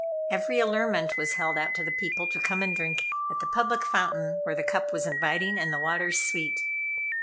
Every allurement was held out to the people to come and drink at the public fountain where the cup was inviting and the waters sweet.